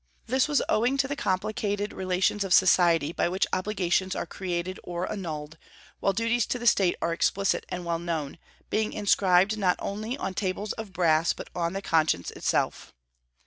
This was owing to the complicated relations of society, by which obligations are created or annulled, while duties to the State are explicit and well known, being inscribed not only on tables of brass, but on the conscience itself.